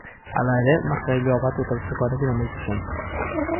Hala ere, markagailua bat eta hutsekoarekin amaitu zen.